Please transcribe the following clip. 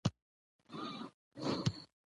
مزارشریف د افغانستان د چاپیریال ساتنې لپاره مهم دي.